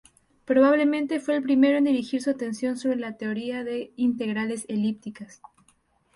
Probablemente fue el primero en dirigir su atención sobre la teoría de integrales elípticas.